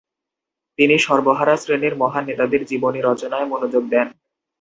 তিনি সর্বহারা শ্রেণীর মহান নেতাদের জীবনী রচনায় মনোযোগ দেন।